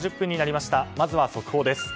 まずは速報です。